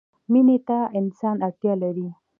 مینې ته انسان اړتیا لري.